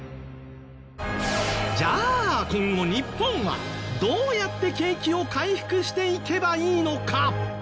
じゃあ今後日本はどうやって景気を回復していけばいいのか？